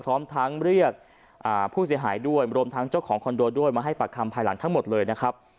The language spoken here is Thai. พร้อมทั้งเรียกผู้เสียหายด้วยรวมทั้งเจ้าของคอนโดด้วยมาให้ปากคำภายหลังทั้งหมดเลยนะครับ